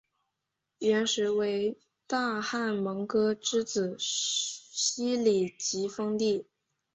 元时为大汗蒙哥之子昔里吉封地。